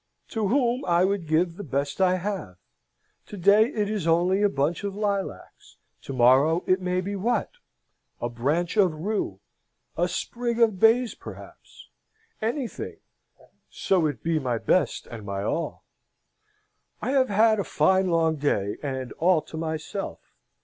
"'To whom I would give the best I have. To day it is only a bunch of lilacs. To morrow it may be what? a branch of rue a sprig of bays, perhaps anything, so it be my best and my all. "'I have had a fine long day, and all to myself.